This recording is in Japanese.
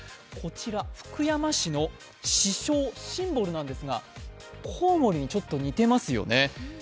こちら福山市の市章、シンボルなんですがコウモリにちょっと似ていますよね。